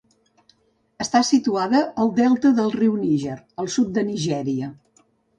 Està situada al delta del riu Níger, al sud de Nigèria.